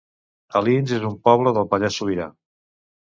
Alins es un poble del Pallars Sobirà